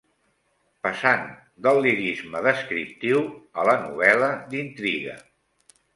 Passant del lirisme descriptiu a la novel·la d'intriga